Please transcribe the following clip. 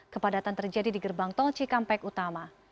kepadatan terjadi di gerbang tol cikampek utama